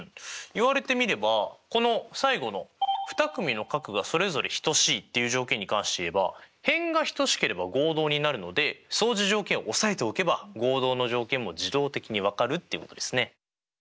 言われてみればこの最後の２組の角がそれぞれ等しいっていう条件に関して言えば辺が等しければ合同になるので相似条件をおさえておけば合同の条件も自動的に分かるっていうことですね。